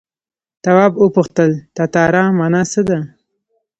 تواب وپوښتل تتارا مانا څه ده.